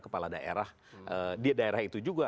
kepala daerah di daerah itu juga